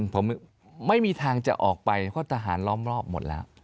ผมไม่มีทางจะออกไปเพราะทหารล้อมรอบหมดแล้ว